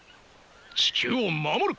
地球を守る。